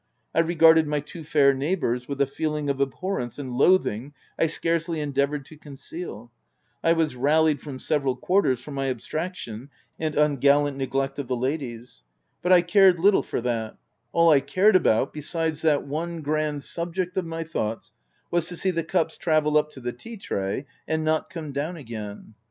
I re garded my two fair neighbours with a feeling of abhorrence and loathing 1 scarcely endeavoured 164 THE TENANT to conceal : I was rallied from several quarters for my abstraction and ungallant neglect of the ladies ; but I cared little for that : all I cared about, besides that one grand subject of my thoughts, was to see the cups travel up to the tea tray, and not come down again.